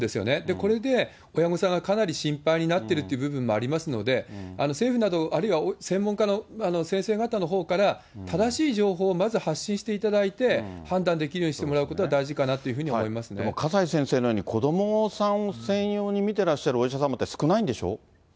これで親御さんがかなり心配になっているという部分もありますので、政府など、あるいは専門家の先生方のほうから、正しい情報をまず発信していただいて、判断できるようにしてもらうことは大事かなというふうに思います笠井先生のように、子どもさんを専用に診てらっしゃるお医者様って少ないんでしょ？